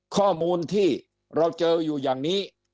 ข้อมูลที่เราเจออยู่อย่างนี้